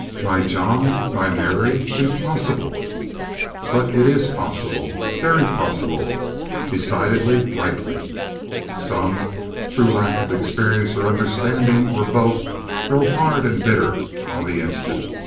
"My John! My Mary! Impossible!" But it is possible. Very possible. Decidedly likely. Some, through lack of experience or understanding, or both, grow hard and bitter on the instant.